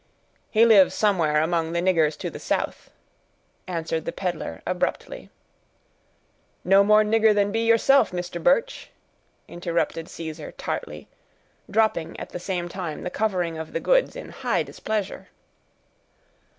"He lives somewhere among the niggers to the south," answered the peddler, abruptly. "No more nigger than be yourself, Mister Birch," interrupted Caesar tartly, dropping at the same time the covering of the goods in high displeasure.